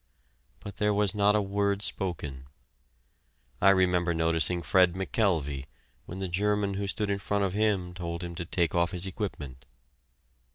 But there was not a word spoken. I remember noticing Fred McKelvey, when the German who stood in front of him told him to take off his equipment.